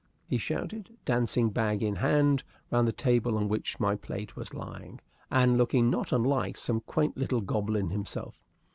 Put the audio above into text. he shouted, dancing, bag in hand, round the table on which my plate was lying, and looking not unlike some quaint little goblin himself.